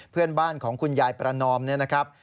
เพื่อนบ้านของคุณยายประนอมเนี่ยนะครับ